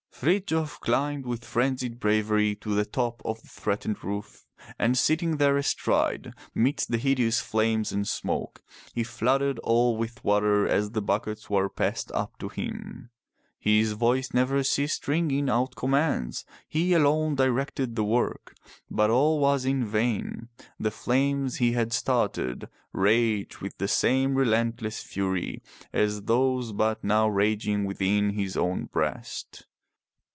Frithjof climbed with frenzied bravery to the top of the threatened roof, and sitting there astride, midst the hideous fiames and smoke, he flooded all with water as the buckets were passed up to him. His voice never ceased ringing out commands. He alone directed the work. But all was in vain. The flames he had started raged with the same relentless fury as those but now raging within his own breast.